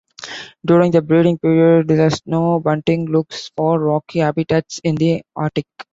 During the breeding period the snow bunting looks for rocky habitats in the Arctic.